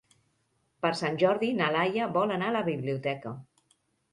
Per Sant Jordi na Laia vol anar a la biblioteca.